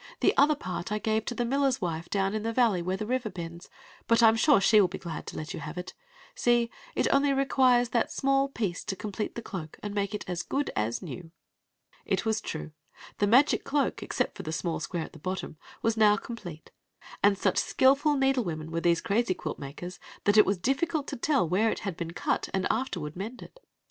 The other part I gave to the miller's wife down in the valley where the river bends. But I am sure she wiU be glad to let you have it See — it only requires that small piece to cmnplete the cloak and make it as good as new." It was true — the magic cloak, except for a small square at the bottom, was now complete; and such skilful needlewomen were these crazy quilt makers that it was difficult to tell where k had been oit auid afterward mended.